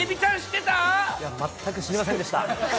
いや、全く知りませんでした。